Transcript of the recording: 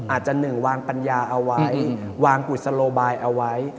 อาจจะหนึ่งวางปัญญาเอาไว้วางกุศโลบายเอาไว้